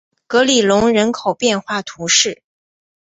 格里隆人口变化图示